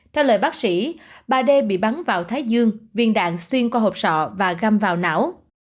theo lời bác sĩ bà d bị bắn vào thái dương viên đạn xuyên qua hộp sọ và găm vào não